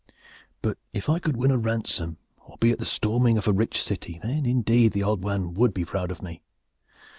But if I could win a ransom or be at the storming of a rich city, then indeed the old man would be proud of me.